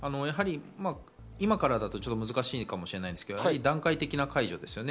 今からだと難しいかもしれませんが、段階的な解除ですよね。